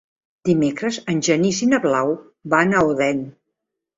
Dimecres en Genís i na Blau van a Odèn.